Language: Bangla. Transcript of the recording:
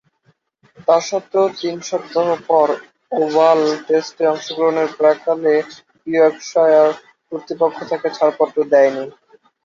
তাস্বত্ত্বেও তিন সপ্তাহ পর ওভাল টেস্টে অংশগ্রহণের প্রাক্কালে ইয়র্কশায়ার কর্তৃপক্ষ তাকে ছাড়পত্র দেয়নি।